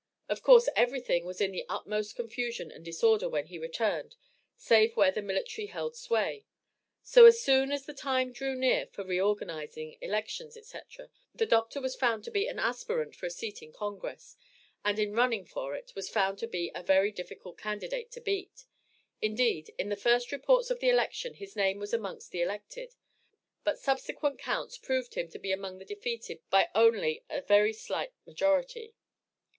Of course every thing was in the utmost confusion and disorder when he returned, save where the military held sway. So as soon as the time drew near for reorganizing, elections, &c., the doctor was found to be an aspirant for a seat in Congress, and in "running" for it, was found to be a very difficult candidate to beat. Indeed in the first reports of the election his name was amongst the elected; but subsequent counts proved him to be among the defeated by only a very slight majority.